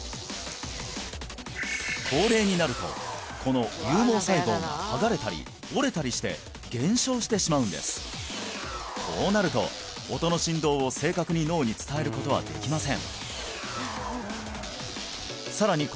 高齢になるとこの有毛細胞がはがれたり折れたりして減少してしまうんですこうなると音の振動を正確に脳に伝えることはできません